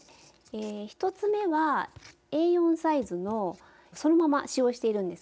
１つ目はＡ４サイズのをそのまま使用してるんですけども。